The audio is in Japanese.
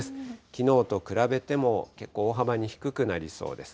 きのうと比べてもけっこう大幅に低くなりそうです。